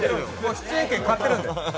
出演権買ってるんです。